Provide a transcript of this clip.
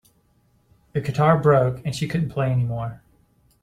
The guitar broke and she couldn't play anymore.